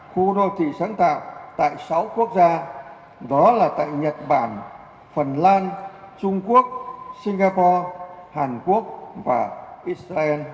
khu đô thị sáng tạo tại sáu quốc gia đó là tại nhật bản phần lan trung quốc singapore hàn quốc và israel